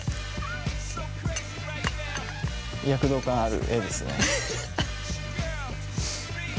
躍動感ある画ですね。